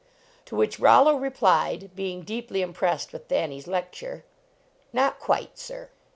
To which Rollo replied, being deeply im pressed with Thanny s lecture: "Not quite, sir."